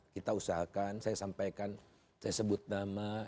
kita usahakan saya sampaikan saya sebut nama